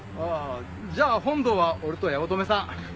ああじゃあ本堂は俺と八乙女さん。